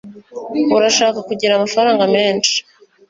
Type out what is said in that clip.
urashaka kugira amafaranga menshi